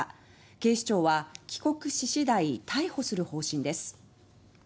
警視庁は、帰国次第逮捕する方針です。